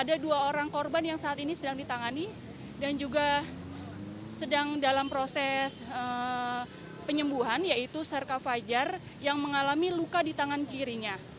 ada dua orang korban yang saat ini sedang ditangani dan juga sedang dalam proses penyembuhan yaitu serka fajar yang mengalami luka di tangan kirinya